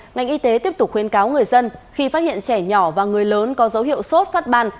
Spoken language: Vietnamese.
ngành y tế tiếp tục khuyến cáo người dân khi phát hiện trẻ nhỏ và người lớn có dấu hiệu sốt phát ban